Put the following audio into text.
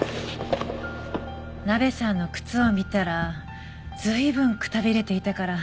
ナベさんの靴を見たら随分くたびれていたから。